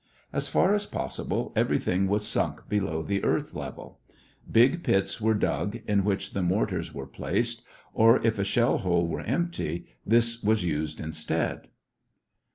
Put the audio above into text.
As far as possible everything was sunk below the earth level. Big pits were dug in which the mortars were placed, or if a shell hole were empty, this was used instead.